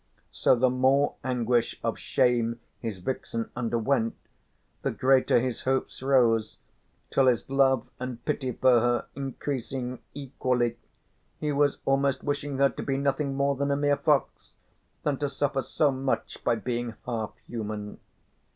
So the more anguish of shame his vixen underwent, the greater his hopes rose, till his love and pity for her increasing equally, he was almost wishing her to be nothing more than a mere fox than to suffer so much by being half human.